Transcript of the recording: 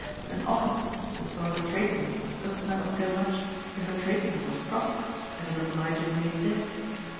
An officer the son of a tradesman doesn't matter so much, if the tradesman was prosperous and is obligingly dead.